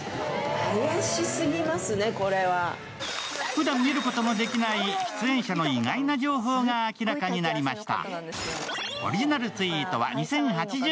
ふだん見ることのできない出演者の意外な情報が明らかになりました。